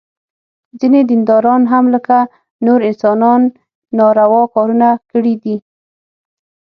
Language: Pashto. ځینې دینداران هم لکه نور انسانان ناروا کارونه کړي دي.